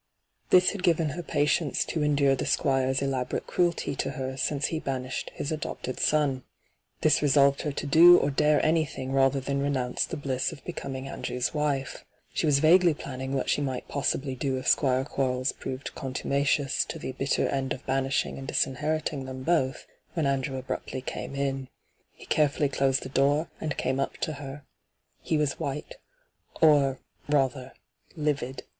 This had given her patience to endure the Squire's elaborate cruelty to her since be banished his adopted eon. This resolved her to do or dare anything rather than renounce the bliss of becoming Andrew's wife. She was vaguely planning what she might possibly do if Squire Quarles proved contumacious to the bitter end of banishing and disinheriting them both, when Andrew came abruptly in. He care fully closed the door, and came up to her. He was white— or, rather, livid.